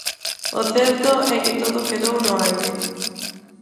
O certo é que todo quedou no aire.